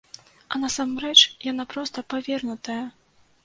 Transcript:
А насамрэч яна проста павернутая!